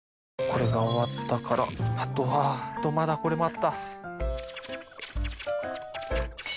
これが終わったからあとはまだこれもあった。